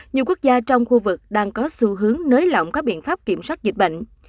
nhiều quốc gia trong khu vực đang có xu hướng nới lỏng các biện pháp kiểm soát dịch bệnh